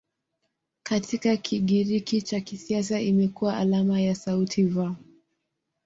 Katika Kigiriki cha kisasa imekuwa alama ya sauti "V".